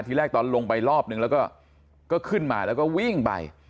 ทีแรกตอนลงไปรอบนึงแล้วก็ขึ้นมาแล้วก็วิ่งไป